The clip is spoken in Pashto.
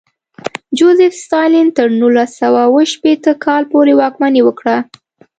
جوزېف ستالین تر نولس سوه اوه ویشت کال پورې واکمني وکړه.